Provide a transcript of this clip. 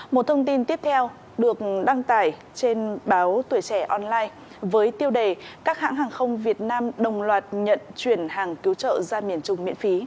một thông tin tiếp theo được đăng tải trên báo tuổi trẻ online với tiêu đề các hãng hàng không việt nam đồng loạt nhận chuyển hàng cứu trợ ra miền trung miễn phí